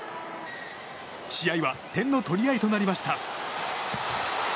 試合は点の取り合いとなりました。